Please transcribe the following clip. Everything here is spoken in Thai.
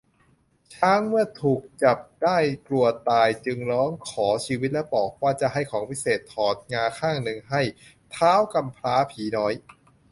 ช้างเมื่อถูกจับได้กลัวตาย จึงร้องขอชีวิตและบอกว่าจะให้ของวิเศษถอดงาข้างหนึ่งให้ ท้าวกำพร้าผีน้อย